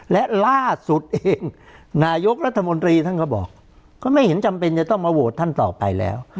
และล่าสุดเองนายกรัฐมนตรีท่านก็บอกก็ไม่เห็นจำเป็นจะต้องมาโหวตท่านต่อไปแล้ว